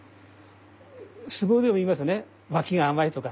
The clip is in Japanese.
相撲でも言いますね「脇が甘い」とか。